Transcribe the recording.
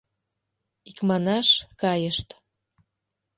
Икманаш, кайышт.